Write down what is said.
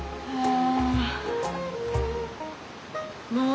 ああ。